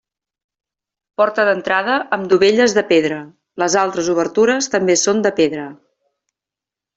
Porta d'entrada amb dovelles de pedra, les altres obertures també són de pedra.